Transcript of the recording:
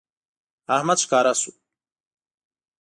احمد ښکاره شو